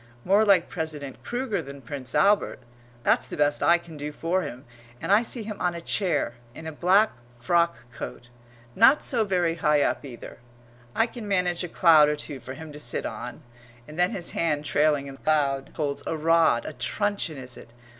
More like President Kruger than Prince Albert that's the best I can do for him; and I see him on a chair, in a black frock coat, not so very high up either; I can manage a cloud or two for him to sit on; and then his hand trailing in the cloud holds a rod, a truncheon is it?